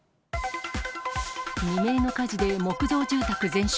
未明の火事で木造住宅全焼。